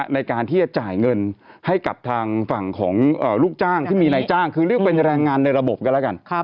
ในการที่จะจ่ายเงินให้กับทางฝั่งของลูกจ้างที่มีนายจ้างคือเรียกเป็นแรงงานในระบบกันแล้วกัน